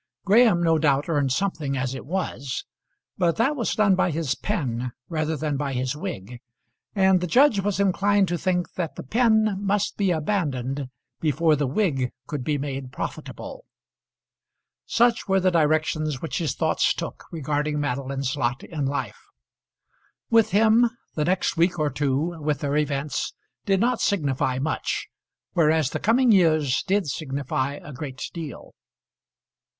Graham no doubt earned something as it was, but that was done by his pen rather than by his wig, and the judge was inclined to think that the pen must be abandoned before the wig could be made profitable. Such were the directions which his thoughts took regarding Madeline's lot in life. With him the next week or two, with their events, did not signify much; whereas the coming years did signify a great deal.